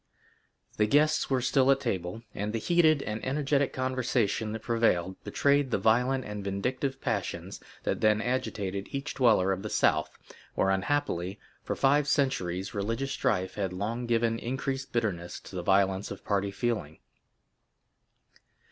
The guests were still at table, and the heated and energetic conversation that prevailed betrayed the violent and vindictive passions that then agitated each dweller of the South, where unhappily, for five centuries religious strife had long given increased bitterness to the violence of party feeling.